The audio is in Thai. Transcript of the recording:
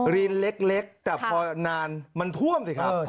รินเล็กแต่พอนานมันท่วมสิครับ